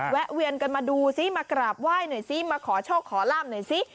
แวนกันมาดูซิมากราบไหว้หน่อยซิมาขอโชคขอลาบหน่อยซิ